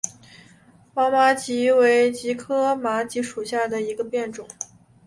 毛麻楝为楝科麻楝属下的一个变种。